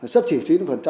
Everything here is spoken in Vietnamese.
sắp chỉ chín mươi